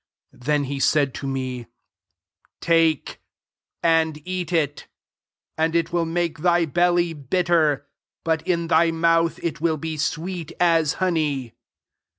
Then he said to me, << Take> and eat it; and it will make thy belly bitter, but in thy mouth it will be sweet as hpney.'